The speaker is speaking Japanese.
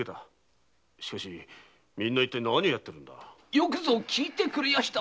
よくぞ聞いてくれました。